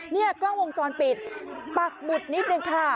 นี่กล้องวงจรปิดปักหมุดนิดนึงค่ะ